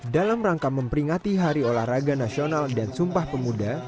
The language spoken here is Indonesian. dalam rangka memperingati hari olahraga nasional dan sumpah pemuda